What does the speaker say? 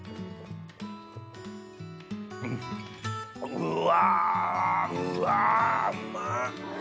うわうわうま！